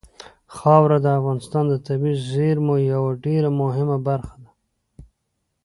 خاوره د افغانستان د طبیعي زیرمو یوه ډېره مهمه برخه ده.